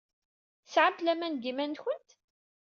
Tesɛamt laman deg yiman-nwent?